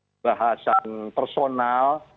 ada bahasan personal